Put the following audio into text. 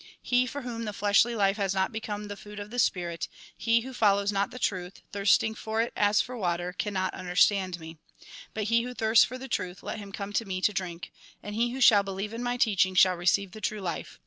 He for whom the fleshly life has not become the food of the spirit, he who follows not the truth, thirsting for it as for water, can not understand me. But he who thirsts for the truth, let him come to me to drink. And he who shall believe in my teaching shall receive the true life.